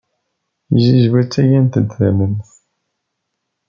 Tizizwa ttgent-d tamemt.